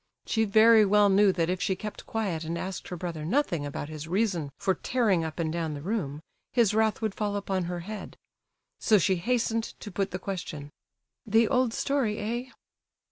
She very well knew that if she kept quiet and asked her brother nothing about his reason for tearing up and down the room, his wrath would fall upon her head. So she hastened to put the question: "The old story, eh?"